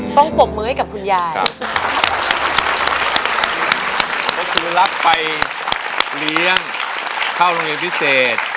ปรบมือให้กับคุณยายก็คือรับไปเลี้ยงเข้าโรงเรียนพิเศษ